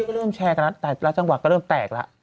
ในโซเชียลก็เริ่มแชร์กันแล้ว